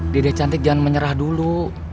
diri cantik jangan menyerah dulu